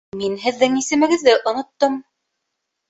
Мин һеҙҙең исемегеҙҙе оноттом